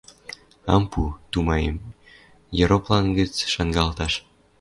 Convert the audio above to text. Ам пу, тумаем, ероплан гӹц шынгалташ.